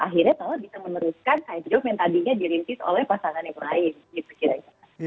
akhirnya malah bisa meneruskan side job yang tadinya dirintis oleh pasangan yang lain